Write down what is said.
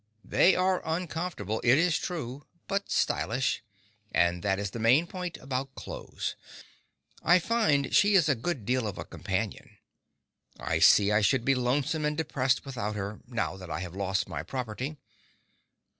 They are uncomfortable, it is true, but stylish, and that is the main point about clothes. … I find she is a good deal of a companion. I see I should be lonesome and depressed without her, now that I have lost my property.